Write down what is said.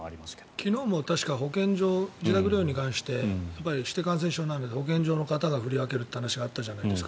昨日も自宅療養に関して指定感染症になって保健所の方が振り分けるって話があったじゃないですか。